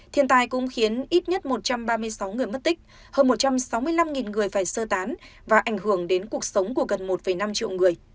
thiên tai cũng khiến ít nhất một trăm ba mươi sáu người mất tích hơn một trăm sáu mươi năm người phải sơ tán và ảnh hưởng đến cuộc sống của gần một năm triệu người